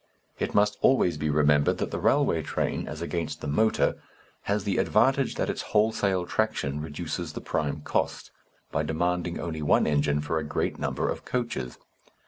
It must always be remembered that the railway train, as against the motor, has the advantage that its wholesale traction reduces the prime cost by demanding only one engine for a great number of coaches.